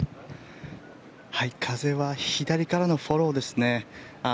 風は左からのフォローですね。